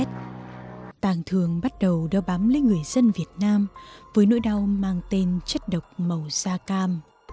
tàng thường bắt đầu đo bám lấy người dân việt nam với nỗi đau mang tên chất độc màu da cam